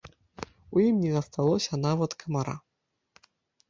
У ім не асталося нават камара.